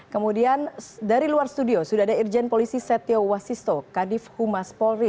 kemudian dari luar studio sudah ada irjen polisi setio wasisto kadif humas polri